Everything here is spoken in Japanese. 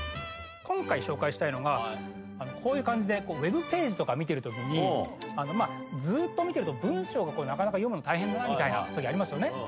今回紹介したいのがこういう感じでＷＥＢページとか見てるときにずっと見てると文章がなかなか読むの大変だなみたいなときありますよね。